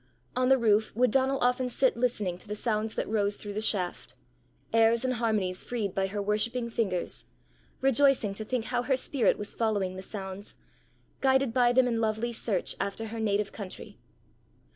On the roof would Donal often sit listening to the sounds that rose through the shaft airs and harmonies freed by her worshipping fingers rejoicing to think how her spirit was following the sounds, guided by them in lovely search after her native country.